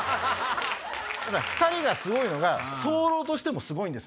２人がすごいのがソロとしてもすごいんです。